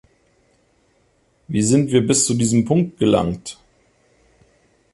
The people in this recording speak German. Wie sind wir bis zu diesem Punkt gelangt?